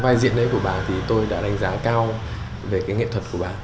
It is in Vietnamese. vai diện đấy của bà thì tôi đã đánh giá cao về cái nghệ thuật của bà